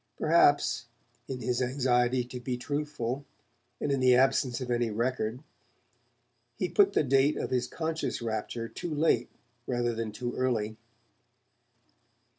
Perhaps, in his anxiety to be truthful, and in the absence of any record, he put the date of this conscious rapture too late rather than too early.